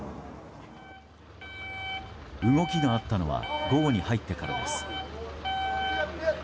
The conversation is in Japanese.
動きがあったのは午後に入ってからです。